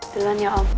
duluan ya om